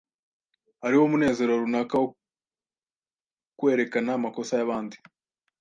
Hariho umunezero runaka wo kwerekana amakosa yabandi